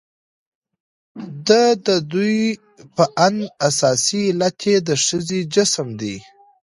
د ددوى په اند اساسي علت يې د ښځې جسم دى.